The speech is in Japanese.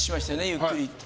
ゆっくりって。